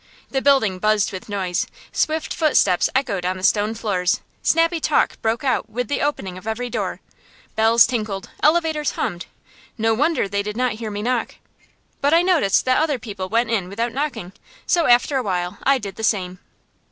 The building buzzed with noise, swift footsteps echoed on the stone floors, snappy talk broke out with the opening of every door, bells tinkled, elevators hummed, no wonder they did not hear me knock. But I noticed that other people went in without knocking, so after a while I did the same.